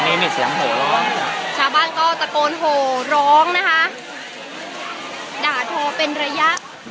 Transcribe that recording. อันนี้นี่เสียงห่อร้องชาวบ้านก็ตะโกนห่อร้องนะฮะด่าทอเป็นระยะ